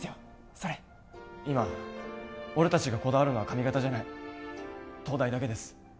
それ今俺達がこだわるのは髪形じゃない東大だけです